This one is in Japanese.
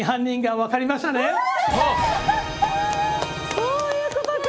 そういうことか！